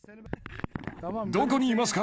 どこにいますか？